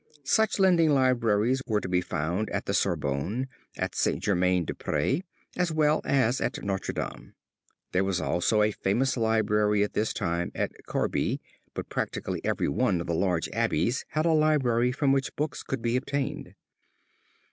Such lending libraries were to be found at the Sorbonne, at St. Germain des Prés, as well as at Notre Dame. There was also a famous library at this time at Corbie but practically every one of the large abbeys had a library from which books could be obtained.